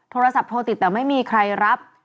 โทรศัพท์โทรติดแต่ไม่มีใครรับ